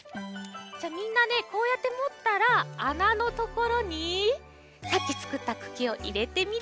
じゃあみんなねこうやってもったらあなのところにさっきつくったくきをいれてみてください。